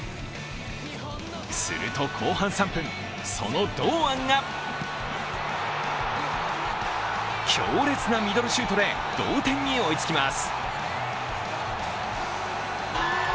すると後半３分、その堂安が、強烈なミドルシュートで同点に追いつきます。